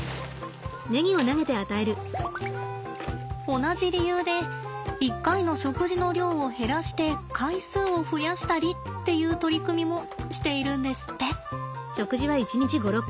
同じ理由で一回の食事の量を減らして回数を増やしたりっていう取り組みもしているんですって。